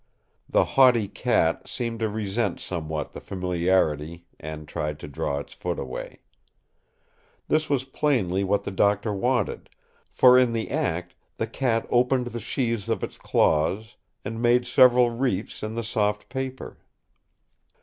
The haughty cat seemed to resent somewhat the familiarity, and tried to draw its foot away. This was plainly what the Doctor wanted, for in the act the cat opened the sheaths of its claws and made several reefs in the soft paper.